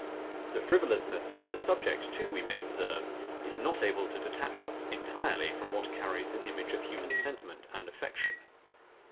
The frivolousness of the subject too, we may observe, is not able to detach us entirely from what carries an image of human sentiment and affection.